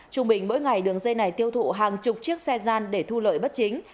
trung bình mỗi ngày đường dây này tiêu thụ hàng chục chiếc xe gian để thu lợi bất chính